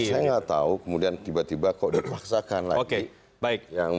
saya nggak tahu kemudian tiba tiba kok dipaksakan lagi